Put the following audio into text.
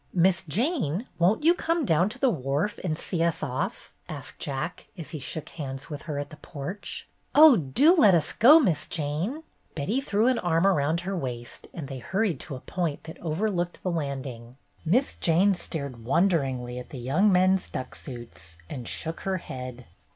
"Miss Jane, won't you come down to the wharf and see us off?" asked Jack, as he shook hands with her at the porch. " Oh, do let us go. Miss J ane !" Betty threw an arm around her waist, and they hurried to THE TWINE WASH RAG i6i a point that overlooked the landing. Miss Jane stared wonderingly at the young men's duck suits, and shook her head.